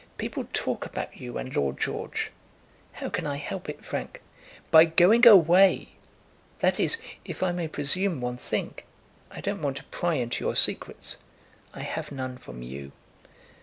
People talk about you and Lord George." "How can I help it, Frank?" "By going away; that is, if I may presume one thing. I don't want to pry into your secrets." "I have none from you."